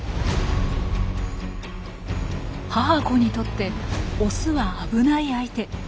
母子にとってオスは危ない相手。